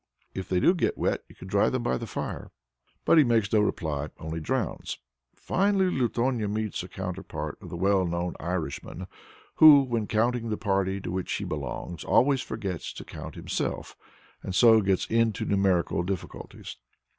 If they do get wet, you can dry them at the fire." But he makes no reply, only drowns. Finally Lutonya meets the counterpart of the well known Irishman who, when counting the party to which he belongs, always forgets to count himself, and so gets into numerical difficulties.